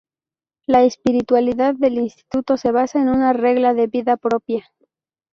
La espiritualidad del instituto se basa en una regla de vida propia.